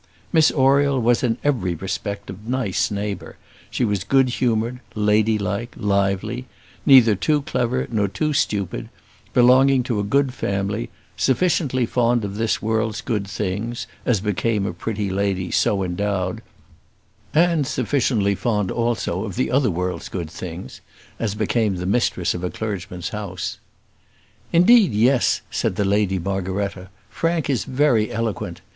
Miss Oriel was in every respect a nice neighbour; she was good humoured, lady like, lively, neither too clever nor too stupid, belonging to a good family, sufficiently fond of this world's good things, as became a pretty young lady so endowed, and sufficiently fond, also, of the other world's good things, as became the mistress of a clergyman's house. "Indeed, yes," said the Lady Margaretta. "Frank is very eloquent.